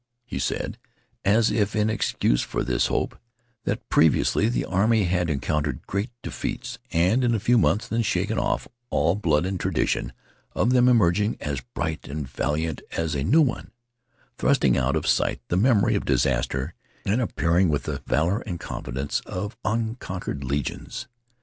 He said, as if in excuse for this hope, that previously the army had encountered great defeats and in a few months had shaken off all blood and tradition of them, emerging as bright and valiant as a new one; thrusting out of sight the memory of disaster, and appearing with the valor and confidence of unconquered legions.